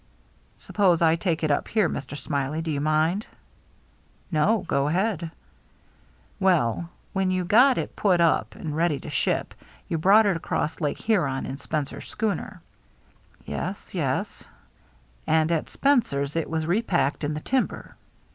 " Suppose I take it up here, Mr. Smiley, do you mind ?"" No, go ahead." 388 THE MERRT ANNE "Well, when you had got it put up and ready to ship, you brought it across Lake Hu ron in Spencer's schooner." "Yes — yes." "And at Spencer's it was repacked in the timber."